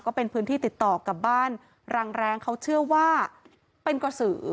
ก็เป็นพื้นที่ติดต่อกับบ้านรังแรงเขาเชื่อว่าเป็นกระสือ